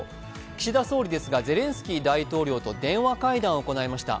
岸田総理ですがゼレンスキー大統領と電話会談を行いました。